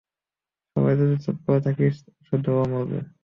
সবাই যদি চুপ করে থাকিস শুধু ও মরবে।